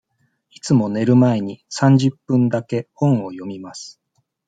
いつも寝る前に三十分だけ本を読みます。